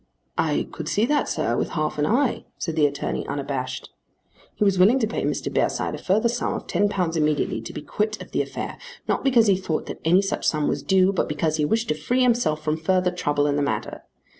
"I could see that, sir, with half an eye," said the attorney unabashed. He was willing to pay Mr. Bearside a further sum of £10 immediately to be quit of the affair, not because he thought that any such sum was due, but because he wished to free himself from further trouble in the matter.